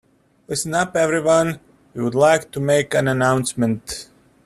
Listen up everyone, we would like to make an announcement.